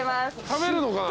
食べるのかな？